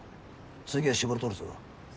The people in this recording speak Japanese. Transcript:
次は搾り取るぞ。